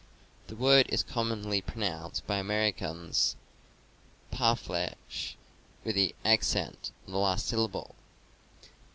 The word is commonly pronounced by Americans "par flesh," with the accent on the last syllable.)